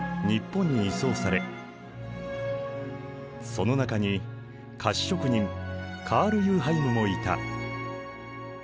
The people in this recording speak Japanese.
その中に菓子職人カール・ユーハイムもいた。